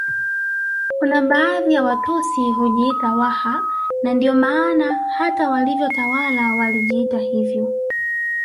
Kuna baadhi ya Watusi hujiita Waha na ndiyo maana hata walivyotawala walijiita hivyo